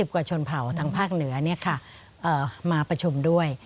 กว่าชนเผ่าทางภาคเหนือมาประชุมด้วย